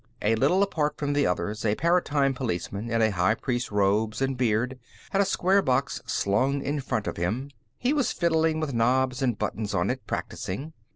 A little apart from the others, a Paratime Policeman, in high priest's robes and beard, had a square box slung in front of him; he was fiddling with knobs and buttons on it, practicing.